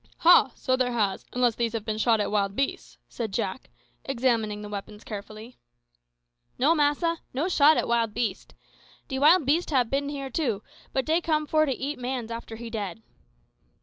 "Ha! so there has, unless these have been shot at wild beasts," said Jack, examining the weapons carefully. "No, massa; no shot at wild beast. De wild beast hab bin here too, but dey come for to eat mans after he dead."